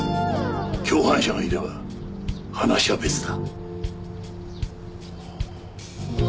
共犯者がいれば話は別だ。